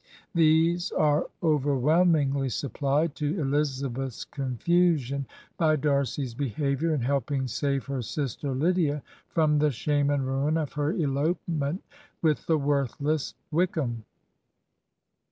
These are U v erwliel mingly iyoppKed, to Elizabeth's confusion, by Darcy's behavior in help ing save her sister Lydia from the shame and ruin of her elopement with the worthless Wickham.